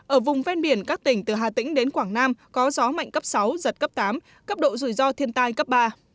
ở vùng ven biển các tỉnh từ hà tĩnh đến quảng nam có gió mạnh cấp sáu giật cấp tám cấp độ rủi ro thiên tai cấp ba